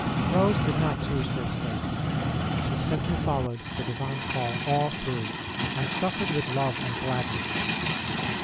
Rose did not choose her state ; she simply followed the Divine call all through, and suffered with love and gladness.